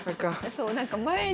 そうなんか前に。